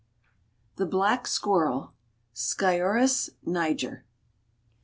] THE BLACK SQUIRREL. (_Sciurus niger.